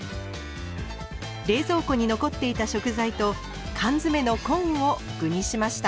冷蔵庫に残っていた食材と缶詰のコーンを具にしました。